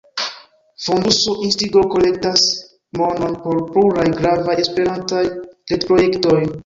Fonduso Instigo kolektas monon por pluraj gravaj Esperantaj retprojektoj.